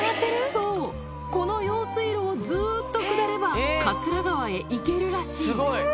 そう、この用水路をずっと下れば、桂川へ行けるらしい。